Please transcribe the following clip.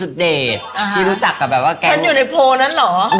ที่รู้จักกับแบบว่าแกฉันอยู่ในโพลนั้นเหรอ